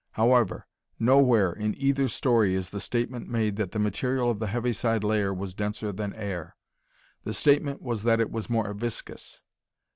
However nowhere in either story is the statement made that the material of the heaviside layer was denser than air. The statement was that it was more viscous.